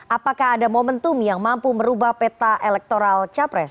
apakah ada momentum yang mampu merubah peta elektoral capres